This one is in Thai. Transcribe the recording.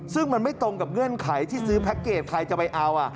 ซึ่งมันไม่ตรงกับเงื่อนไขที่ซื้อแพ็คเกจใครจะไปเอา